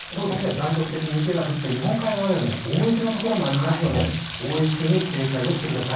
断続的に雪が降って、日本海側ではね、大雪の所もありますので、大雪に警戒をしてください。